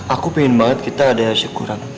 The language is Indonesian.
aku pengen banget kita ada syukuran